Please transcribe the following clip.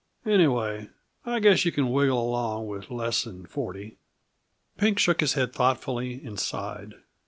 Anyway, I guess you can wiggle along with less than forty." Pink shook his head thoughtfully and sighed.